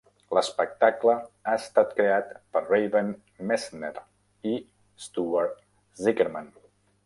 L'espectacle ha estat creat per Raven Metzner i Stuart Zicherman.